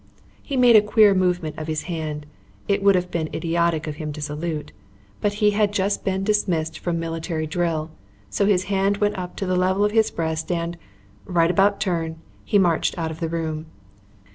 He made a queer movement of his hand it would have been idiotic of him to salute but he had just been dismissed from military drill, so his hand went up to the level of his breast and right about turn he marched out of the room.